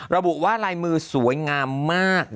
ระบุว่าลายมือสวยงามมาก